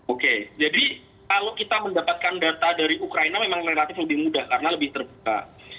oke jadi kalau kita mendapatkan data dari ukraina memang relatif lebih mudah karena lebih terbuka